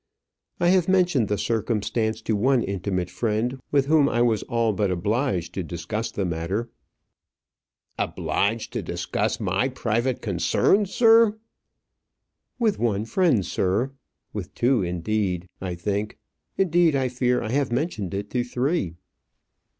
"I have mentioned the circumstance to one intimate friend with whom I was all but obliged to discuss the matter " "Obliged to discuss my private concerns, sir!" "With one friend, sir; with two, indeed; I think indeed, I fear I have mentioned it to three."